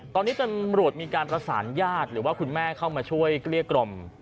ตอนนี้ตำรวจมีการประสานญาติหรือว่าคุณแม่เข้ามาช่วยเกลี้ยกล่อม